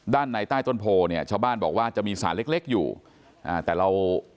ด้านในใต้ต้นโพเนี่ยชาวบ้านบอกว่าจะมีสารเล็กเล็กอยู่อ่าแต่เรา